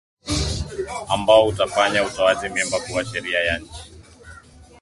ambao utafanya utoaji mimba kuwa sheria ya nchi